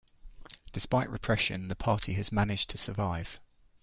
Despite repression, the party has managed to survive.